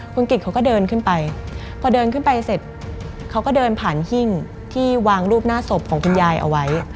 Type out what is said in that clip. คุณกิจเขาก็เดินขึ้นไปพอเดินขึ้นไปเสร็จเขาก็เดินผ่านหิ้งที่วางรูปหน้าศพของคุณยายเอาไว้